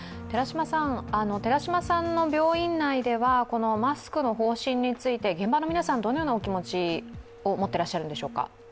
寺嶋さんの病院内ではマスクの方針について現場の皆さん、どのようなお気持ちを持っていらっしゃるんでしょうか？